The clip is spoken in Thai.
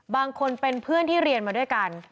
บางคนเป็นเพื่อนที่เรียนมาด้วยกัน